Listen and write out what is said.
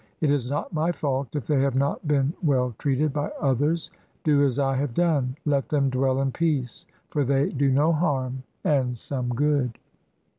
It is not my fault if they have not been well treated by others. Do as I have done. Let them dwell in peace; for they do no harm and some good.